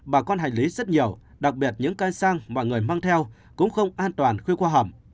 bà con hành lý rất nhiều đặc biệt những cây sang mọi người mang theo cũng không an toàn khi qua hầm